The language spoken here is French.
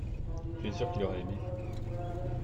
tu es sûr qu'ils auraient aimé.